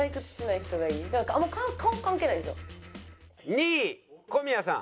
２位小宮さん。